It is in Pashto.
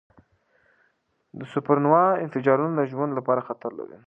د سوپرنووا انفجارونه د ژوند لپاره خطر لري.